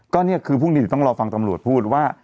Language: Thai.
ก็นี่คือพวกนี้ต้องรอฟังตำรวจพูดว่า